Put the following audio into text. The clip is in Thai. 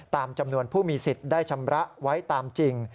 ตามจำนวนผู้มีสิทธิ์ได้ชำระไว้ตามจริง